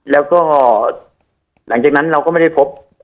แล้วก็หลังจากนั้นเราก็ไม่ได้พบ